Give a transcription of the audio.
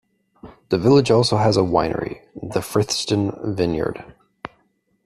The village has also a winery, the Frithsden Vineyard.